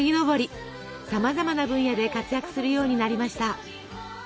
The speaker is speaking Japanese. さまざまな分野で活躍するようになりました。